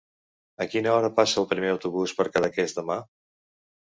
A quina hora passa el primer autobús per Cadaqués demà?